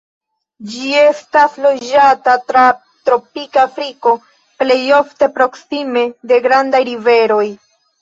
Ĝi estas loĝanta tra tropika Afriko, plej ofte proksime de grandaj riveroj.